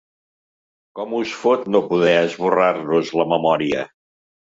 Com us fot no poder esborrar-nos la memòria!